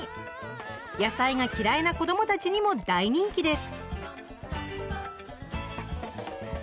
野菜が嫌いな子どもたちにも大人気です。